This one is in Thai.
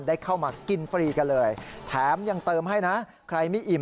ได้เข้ามากินฟรีกันเลยแถมยังเติมให้นะใครไม่อิ่ม